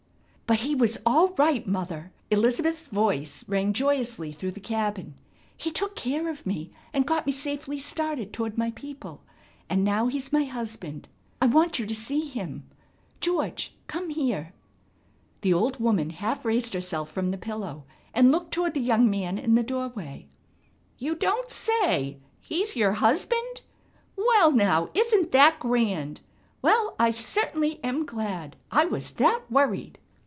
"But he was all right Mother!" Elizabeth's voice rang joyously through the cabin, "He took care of me and got me safely started toward my people, and now he's my husband. I want you to see him. George come here!" The old woman half raised herself from the pillow and looked toward the young man in the doorway: "You don't say! He's your husband! Well, now isn't that grand! Well, I certainly am glad! I was that worried